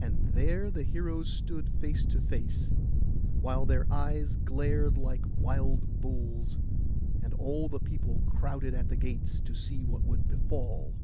And there the heroes stood face to face, while their eyes glared like wild bulls'; and all the people crowded at the gates to see what would befall.